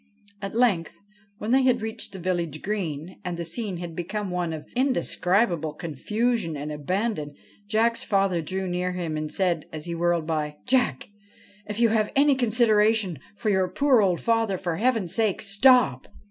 At length, when they had reached the village green, and the scene had become one of indescribable confusion and abandon, Jack's father drew near him and said, as he whirled by :' Jack I if you have any consideration for your poor old father, for heaven's sake, stop